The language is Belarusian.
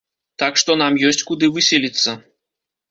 Так што нам ёсць куды выселіцца.